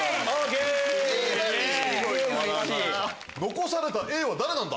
残されたＡは誰なんだ？